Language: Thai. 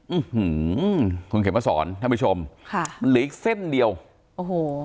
อื้อหือคุณเข็มพระสรท่านผู้ชมค่ะหรืออีกเส้นเดียวโอ้โห